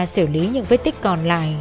xử lý những vết tích còn lại